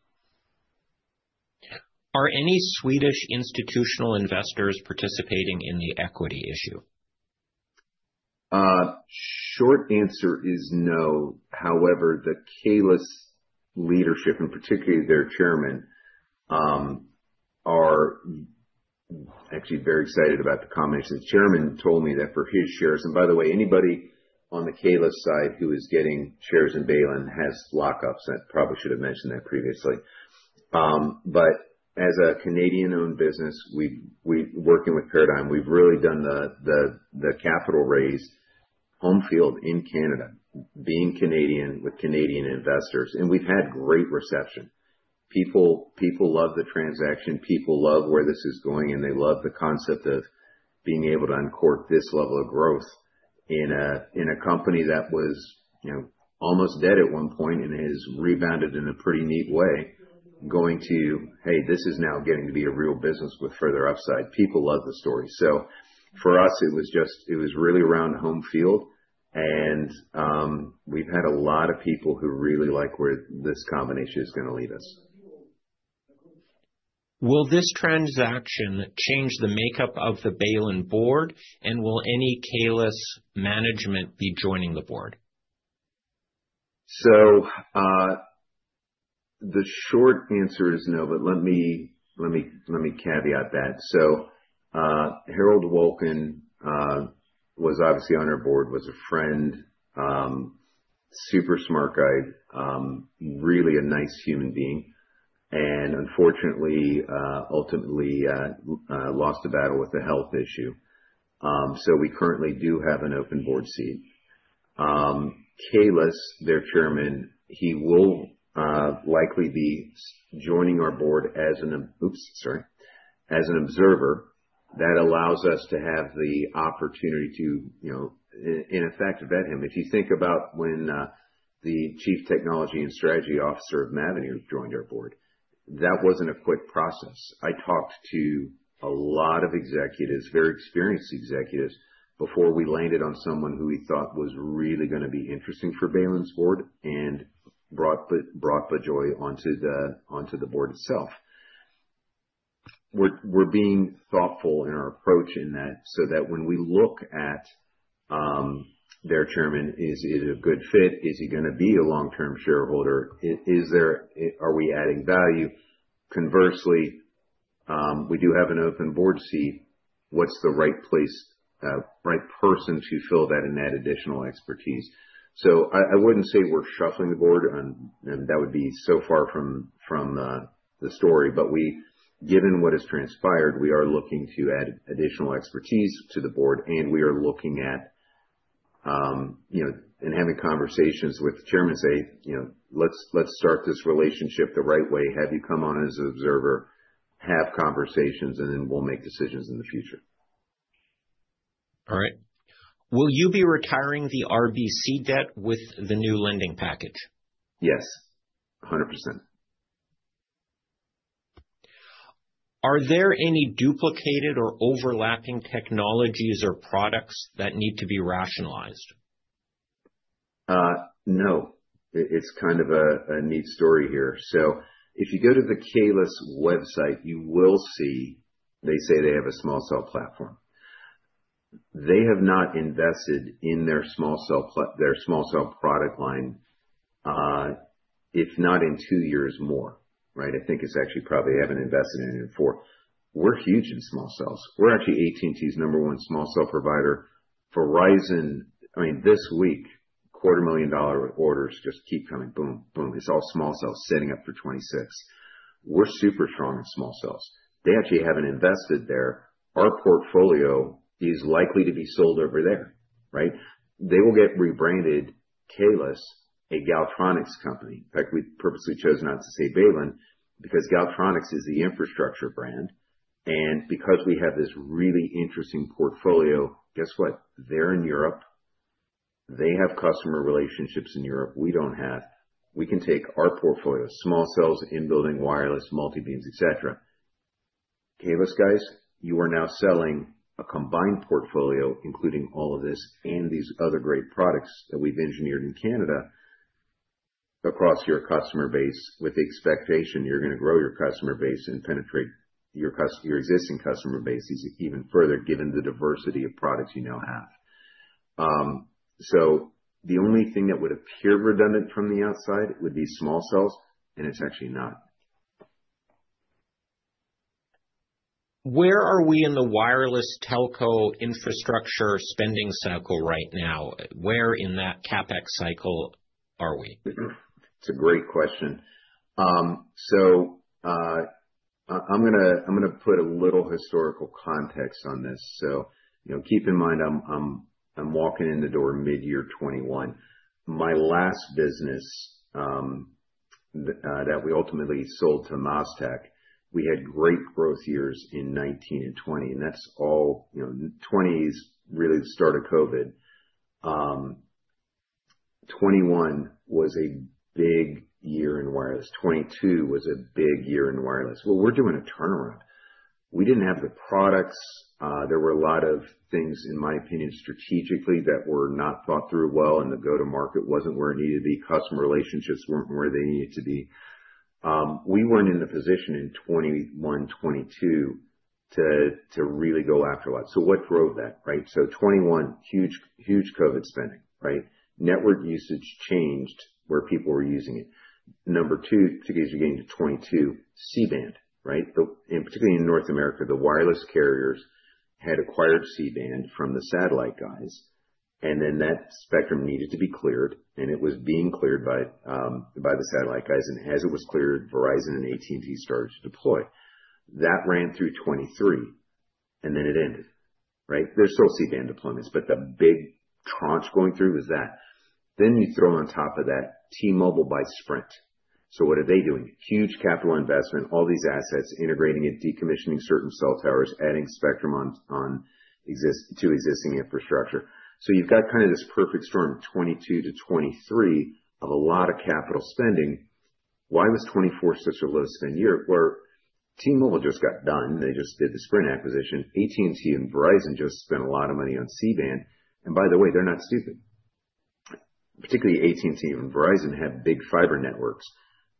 Are any Swedish institutional investors participating in the equity issue? Short answer is no. However, the Kaelus leadership, and particularly their chairman, are actually very excited about the combination. The chairman told me that for his shares. And by the way, anybody on the Kaelus side who is getting shares in Baylin has lockups. I probably should have mentioned that previously. But as a Canadian-owned business, working with Paradigm, we've really done the capital raise. Home field in Canada, being Canadian with Canadian investors, and we've had great reception. People love the transaction. People love where this is going, and they love the concept of being able to uncork this level of growth in a company that was almost dead at one point and has rebounded in a pretty neat way, going to, "Hey, this is now getting to be a real business with further upside." People love the story. So for us, it was really around home field, and we've had a lot of people who really like where this combination is going to lead us. Will this transaction change the makeup of the Baylin board, and will any Kaelus management be joining the board? So the short answer is no, but let me caveat that. So Harold Wolkin was obviously on our board, was a friend, super smart guy, really a nice human being, and unfortunately, ultimately lost a battle with a health issue. So we currently do have an open board seat. Kaelus, their chairman, he will likely be joining our board as an—oops, sorry—as an observer. That allows us to have the opportunity to, in effect, vet him. If you think about when the Chief Technology and Strategy Officer of Mavenir joined our board, that wasn't a quick process. I talked to a lot of executives, very experienced executives, before we landed on someone who we thought was really going to be interesting for Baylin's board and brought the guy onto the board itself. We're being thoughtful in our approach in that so that when we look at their chairman, is it a good fit? Is he going to be a long-term shareholder? Are we adding value? Conversely, we do have an open board seat. What's the right person to fill that and add additional expertise? So I wouldn't say we're shuffling the board, and that would be so far from the story, but given what has transpired, we are looking to add additional expertise to the board, and we are looking at and having conversations with the chairman and say, "Let's start this relationship the right way. Have you come on as an observer? Have conversations, and then we'll make decisions in the future. All right. Will you be retiring the RBC debt with the new lending package? Yes. 100%. Are there any duplicated or overlapping technologies or products that need to be rationalized? No. It's kind of a neat story here. So if you go to the Kaelus website, you will see they say they have a small cell platform. They have not invested in their small cell product line, if not in two years more, right? I think it's actually probably they haven't invested in it in four. We're huge in small cells. We're actually AT&T's number one small cell provider. Verizon, I mean, this week, $250,000 orders just keep coming, boom, boom. It's all small cells setting up for 2026. We're super strong in small cells. They actually haven't invested there. Our portfolio is likely to be sold over there, right? They will get rebranded Kaelus, a Galtronics company. In fact, we purposely chose not to say Baylin because Galtronics is the infrastructure brand. Because we have this really interesting portfolio, guess what? They're in Europe. They have customer relationships in Europe. We don't have. We can take our portfolio: small cells, in-building, wireless, multibeam, etc. Kaelus guys, you are now selling a combined portfolio, including all of this and these other great products that we've engineered in Canada, across your customer base with the expectation you're going to grow your customer base and penetrate your existing customer bases even further, given the diversity of products you now have. So the only thing that would appear redundant from the outside would be small cells, and it's actually not. Where are we in the wireless telco infrastructure spending cycle right now? Where in that CapEx cycle are we? It's a great question. So I'm going to put a little historical context on this. So keep in mind I'm walking in the door mid-year 2021. My last business that we ultimately sold to MasTec, we had great growth years in 2019 and 2020, and that's all 2020 is really the start of COVID. 2021 was a big year in wireless. 2022 was a big year in wireless. Well, we're doing a turnaround. We didn't have the products. There were a lot of things, in my opinion, strategically that were not thought through well, and the go-to-market wasn't where it needed to be. Customer relationships weren't where they needed to be. We weren't in the position in 2021, 2022 to really go after a lot. So what drove that, right? So 2021, huge COVID spending, right? Network usage changed where people were using it. Number two, to get you to 2022, C-band, right? And particularly in North America, the wireless carriers had acquired C-band from the satellite guys, and then that spectrum needed to be cleared, and it was being cleared by the satellite guys. And as it was cleared, Verizon and AT&T started to deploy. That ran through 2023, and then it ended, right? There's still C-band deployments, but the big tranche going through was that. Then you throw on top of that T-Mobile by Sprint. So what are they doing? Huge capital investment, all these assets, integrating and decommissioning certain cell towers, adding spectrum to existing infrastructure. So you've got kind of this perfect storm 2022 to 2023 of a lot of capital spending. Why was 2024 such a low spend year? Well, T-Mobile just got done. They just did the Sprint acquisition. AT&T and Verizon just spent a lot of money on C-band, and by the way, they're not stupid. Particularly AT&T and Verizon have big fiber networks.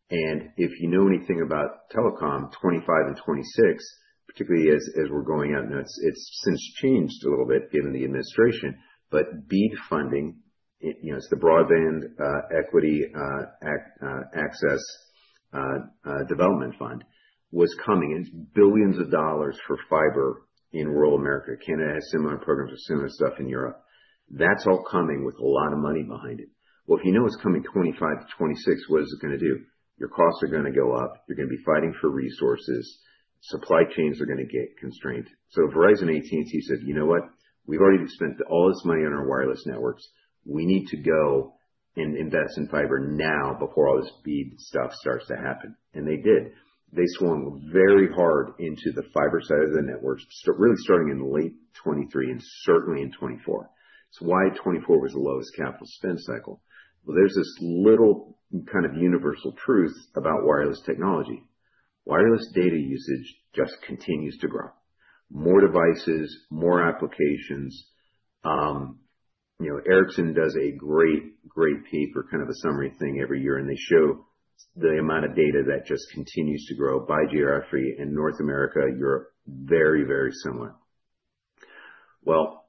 If you know anything about telecom, 2025 and 2026, particularly as we're going out, it's since changed a little bit given the administration, but BEAD funding, it's the Broadband Equity, Access, and Deployment program, was coming in billions of dollars for fiber in rural America. Canada has similar programs with similar stuff in Europe. That's all coming with a lot of money behind it. If you know it's coming 2025 to 2026, what is it going to do? Your costs are going to go up. You're going to be fighting for resources. Supply chains are going to get constrained. Verizon and AT&T said, "You know what? We've already spent all this money on our wireless networks. We need to go and invest in fiber now before all this BEAD stuff starts to happen." And they did. They swung very hard into the fiber side of the networks, really starting in late 2023 and certainly in 2024. So why 2024 was the lowest capital spend cycle? Well, there's this little kind of universal truth about wireless technology. Wireless data usage just continues to grow. More devices, more applications. Ericsson does a great, great paper, kind of a summary thing every year, and they show the amount of data that just continues to grow. By geography, in North America, you're very, very similar. Well,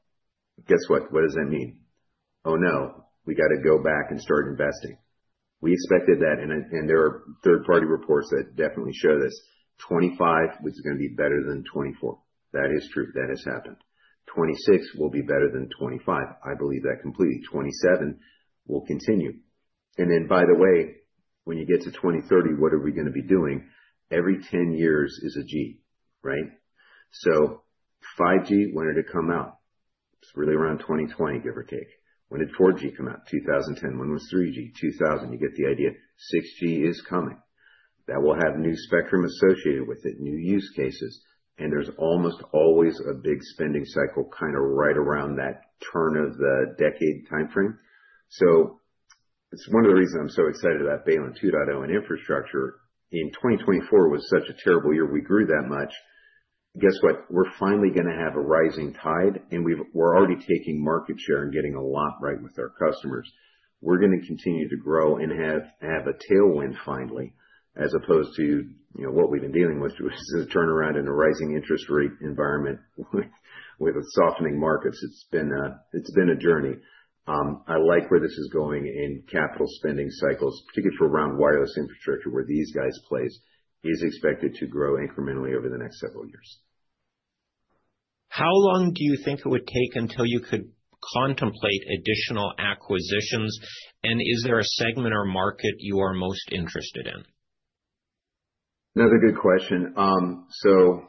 guess what? What does that mean? Oh, no. We got to go back and start investing. We expected that, and there are third-party reports that definitely show this. 2025 was going to be better than 2024. That is true. That has happened. 2026 will be better than 2025. I believe that completely. 2027 will continue. Then, by the way, when you get to 2030, what are we going to be doing? Every 10 years is a G, right? So 5G, when did it come out? It's really around 2020, give or take. When did 4G come out? 2010. When was 3G? 2000. You get the idea. 6G is coming. That will have new spectrum associated with it, new use cases, and there's almost always a big spending cycle kind of right around that turn of the decade timeframe. So it's one of the reasons I'm so excited about Baylin 2.0 and infrastructure. In 2024 was such a terrible year. We grew that much. Guess what? We're finally going to have a rising tide, and we're already taking market share and getting a lot right with our customers. We're going to continue to grow and have a tailwind finally, as opposed to what we've been dealing with, which is a turnaround in a rising interest rate environment with softening markets. It's been a journey. I like where this is going in capital spending cycles, particularly for around wireless infrastructure, where these guys play, is expected to grow incrementally over the next several years. How long do you think it would take until you could contemplate additional acquisitions, and is there a segment or market you are most interested in? Another good question. So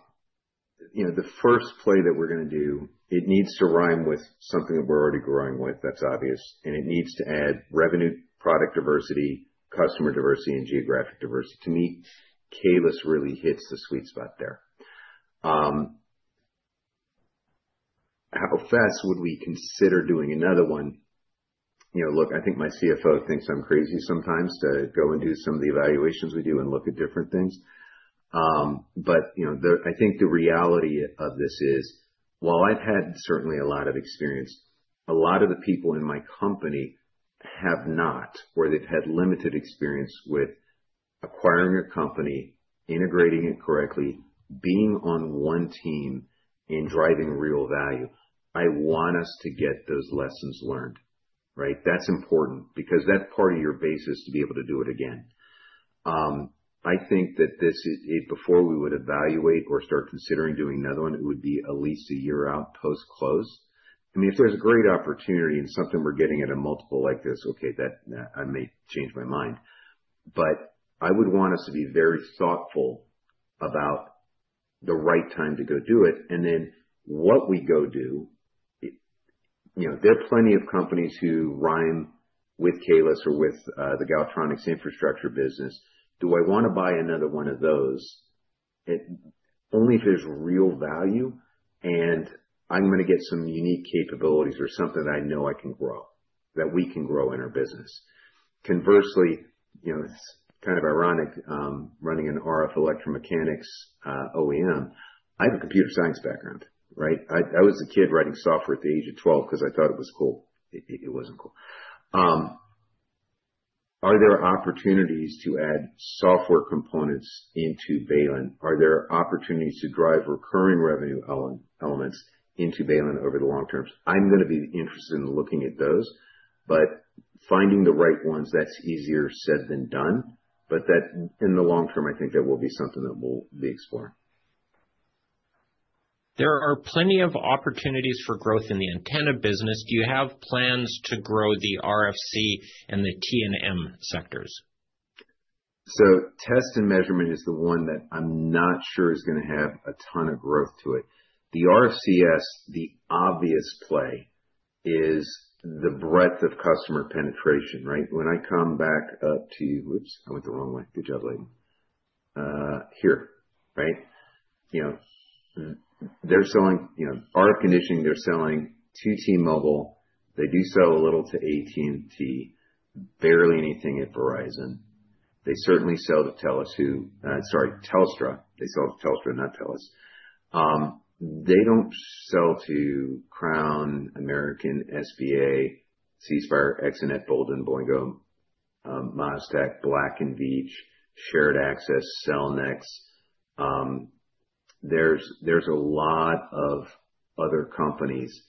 the first play that we're going to do, it needs to rhyme with something that we're already growing with, that's obvious, and it needs to add revenue, product diversity, customer diversity, and geographic diversity. To me, Kaelus really hits the sweet spot there. How fast would we consider doing another one? Look, I think my CFO thinks I'm crazy sometimes to go and do some of the evaluations we do and look at different things. But I think the reality of this is, while I've had certainly a lot of experience, a lot of the people in my company have not, or they've had limited experience with acquiring a company, integrating it correctly, being on one team, and driving real value. I want us to get those lessons learned, right? That's important because that's part of your basis to be able to do it again. I think that before we would evaluate or start considering doing another one, it would be at least a year out post-close. I mean, if there's a great opportunity and something we're getting at a multiple like this, okay, I may change my mind. But I would want us to be very thoughtful about the right time to go do it and then what we go do, there are plenty of companies who rhyme with Kaelus or with the Galtronics infrastructure business. Do I want to buy another one of those? Only if there's real value and I'm going to get some unique capabilities or something that I know I can grow, that we can grow in our business. Conversely, it's kind of ironic running an RF electromechanics OEM. I have a computer science background, right? I was a kid writing software at the age of 12 because I thought it was cool. It wasn't cool. Are there opportunities to add software components into Baylin? Are there opportunities to drive recurring revenue elements into Baylin over the long term? I'm going to be interested in looking at those, but finding the right ones, that's easier said than done. But in the long term, I think that will be something that we'll be exploring. There are plenty of opportunities for growth in the antenna business. Do you have plans to grow the RFC and the T&M sectors? So test and measurement is the one that I'm not sure is going to have a ton of growth to it. The RFCS, the obvious play is the breadth of customer penetration, right? When I come back up to you. Oops, I went the wrong way. Good job, Leighton. Here, right? They're selling RF conditioning. They're selling to T-Mobile. They do sell a little to AT&T, barely anything at Verizon. They certainly sell to Telus, sorry, Telstra. They sell to Telstra, not Telus. They don't sell to Crown, American, SBA, C Spire, Extenet, Boldyn, Boingo, MasTec, Black & Veatch, Shared Access, Cellnex. There's a lot of other companies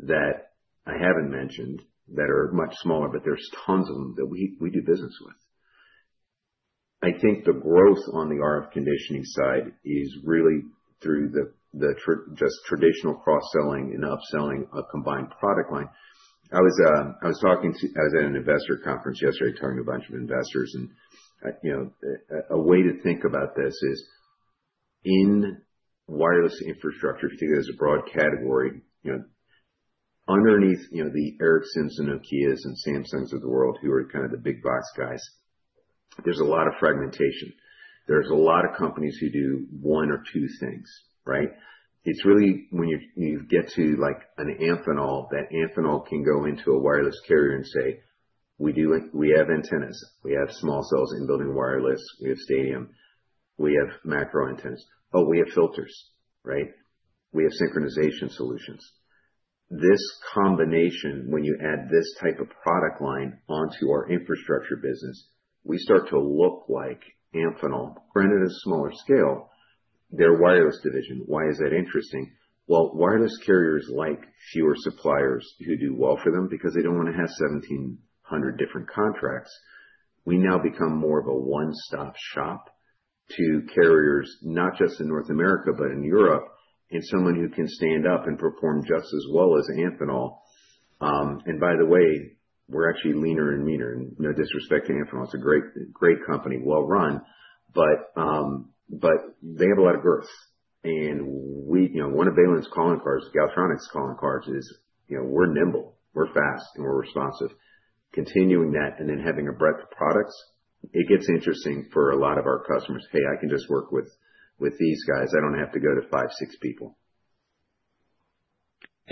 that I haven't mentioned that are much smaller, but there's tons of them that we do business with. I think the growth on the RF conditioning side is really through just traditional cross-selling and upselling a combined product line. I was at an investor conference yesterday talking to a bunch of investors. And a way to think about this is in wireless infrastructure, particularly as a broad category, underneath the Ericsson, Nokias, and Samsungs of the world, who are kind of the big box guys, there's a lot of fragmentation. There's a lot of companies who do one or two things, right? It's really when you get to an Amphenol, that Amphenol can go into a wireless carrier and say, "We have antennas. We have small cells in-building wireless. We have stadium. We have macro antennas. Oh, we have filters, right? We have synchronization solutions." This combination, when you add this type of product line onto our infrastructure business, we start to look like an Amphenol. Granted, at a smaller scale, their wireless division. Why is that interesting? Wireless carriers like fewer suppliers who do well for them because they don't want to have 1,700 different contracts. We now become more of a one-stop shop to carriers, not just in North America, but in Europe, and someone who can stand up and perform just as well as Amphenol. And by the way, we're actually leaner and meaner. No disrespect to Amphenol. It's a great company, well-run, but they have a lot of growth. And one of Baylin's calling cards, Galtronics' calling cards, is we're nimble, we're fast, and we're responsive. Continuing that and then having a breadth of products, it gets interesting for a lot of our customers. "Hey, I can just work with these guys. I don't have to go to five, six people.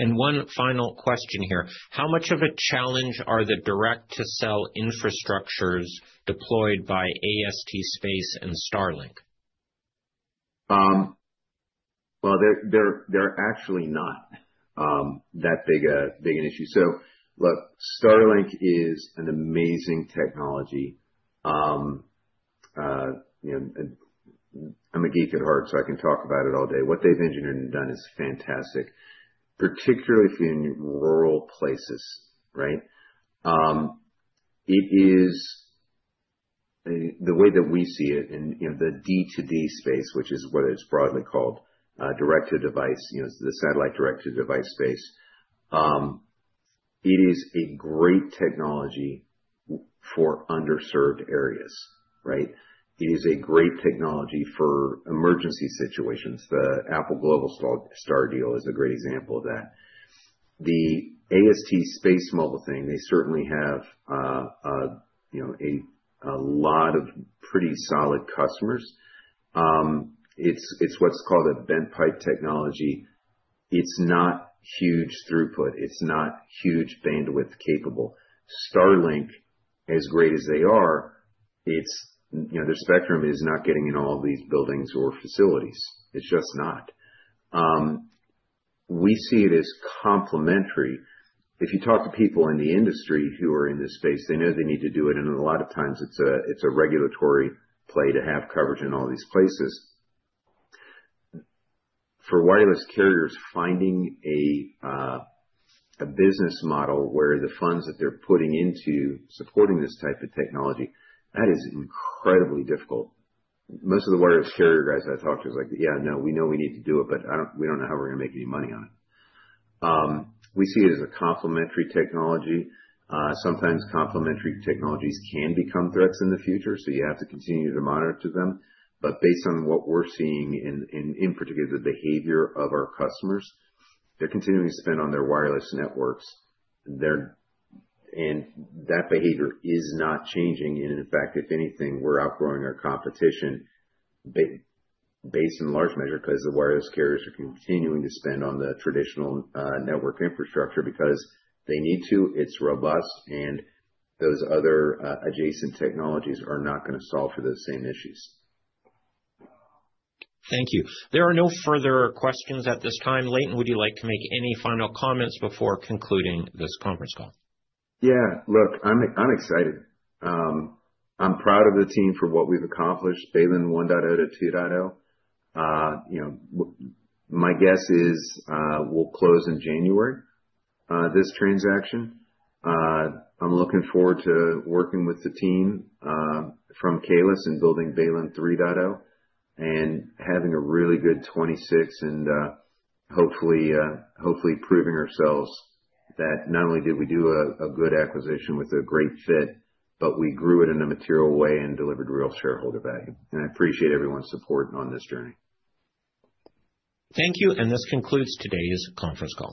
One final question here. How much of a challenge are the Direct to Cell infrastructures deployed by AST SpaceMobile and Starlink? They're actually not that big an issue. So look, Starlink is an amazing technology. I'm a geek at heart, so I can talk about it all day. What they've engineered and done is fantastic, particularly if you're in rural places, right? The way that we see it in the D2D space, which is what it's broadly called, Direct-to-Device, the satellite Direct-to-Device space, it is a great technology for underserved areas, right? It is a great technology for emergency situations. The Apple Globalstar deal is a great example of that. The AST SpaceMobile thing, they certainly have a lot of pretty solid customers. It's what's called a bent-pipe technology. It's not huge throughput. It's not huge bandwidth capable. Starlink, as great as they are, their spectrum is not getting in all these buildings or facilities. It's just not. We see it as complementary. If you talk to people in the industry who are in this space, they know they need to do it. And a lot of times, it's a regulatory play to have coverage in all these places. For wireless carriers, finding a business model where the funds that they're putting into supporting this type of technology, that is incredibly difficult. Most of the wireless carrier guys I talked to are like, "Yeah, no, we know we need to do it, but we don't know how we're going to make any money on it." We see it as a complementary technology. Sometimes complementary technologies can become threats in the future, so you have to continue to monitor them. But based on what we're seeing, and in particular, the behavior of our customers, they're continuing to spend on their wireless networks. And that behavior is not changing. And in fact, if anything, we're outgrowing our competition based in large measure because the wireless carriers are continuing to spend on the traditional network infrastructure because they need to. It's robust, and those other adjacent technologies are not going to solve for those same issues. Thank you. There are no further questions at this time. Leighton, would you like to make any final comments before concluding this conference call? Yeah. Look, I'm excited. I'm proud of the team for what we've accomplished, Baylin 1.0 to 2.0. My guess is we'll close in January this transaction. I'm looking forward to working with the team from Kaelus and building Baylin 3.0 and having a really good 2026 and hopefully proving ourselves that not only did we do a good acquisition with a great fit, but we grew it in a material way and delivered real shareholder value, and I appreciate everyone's support on this journey. Thank you. And this concludes today's conference call.